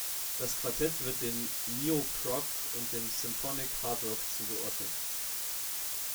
Das Quartett wird dem Neo-Prog und dem Symphonic Hardrock zugeordnet.